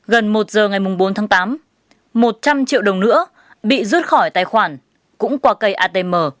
gần một giờ ngày bốn tháng tám một trăm linh triệu đồng nữa bị rút khỏi tài khoản cũng qua cây atm